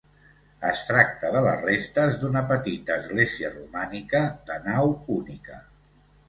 Es tracta de les restes d'una petita església romànica, de nau única.